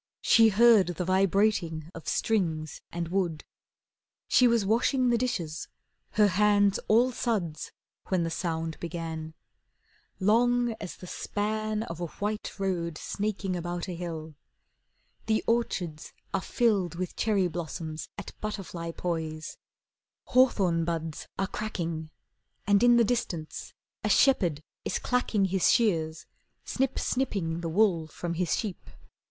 She heard the vibrating of strings and wood. She was washing the dishes, her hands all suds, When the sound began, Long as the span Of a white road snaking about a hill. The orchards are filled With cherry blossoms at butterfly poise. Hawthorn buds are cracking, And in the distance a shepherd is clacking His shears, snip snipping the wool from his sheep.